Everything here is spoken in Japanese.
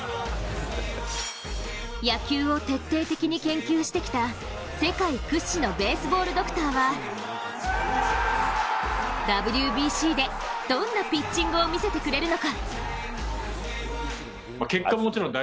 野球を徹底的に研究してきた世界屈指のベースボールドクターはＷＢＣでどんなピッチングを見せてくれるのか。